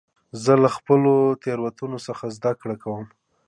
زه له خپلو تېروتنو څخه زدهکړه کوم.